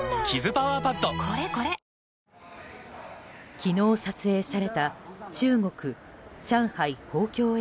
昨日、撮影された中国・上海虹橋駅